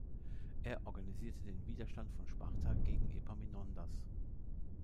Er organisierte den Widerstand von Sparta gegen Epaminondas.